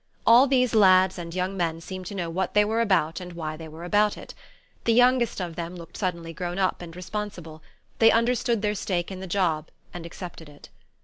All these lads and young men seemed to know what they were about and why they were about it. The youngest of them looked suddenly grown up and responsible; they understood their stake in the job, and accepted it.